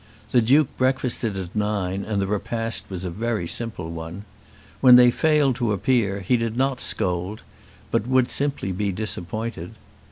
The Duke breakfasted at nine and the repast was a very simple one. When they failed to appear, he did not scold, but would simply be disappointed.